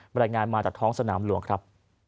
รายงานมาจากท้องสนามหลวงครับ